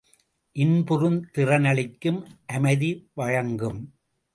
இன்புறுந் திறனளிக்கும் அமைதி வழங்கும்.